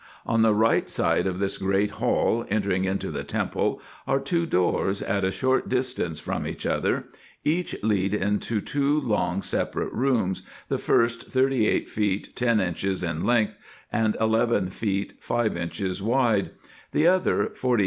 On the right side of this great hall, entering into the temple, are two doors, at a short distance from each other, winch lead into two long separate rooms, the first thirty eight feet ten inches in length, and eleven feet five inches wide ; the other forty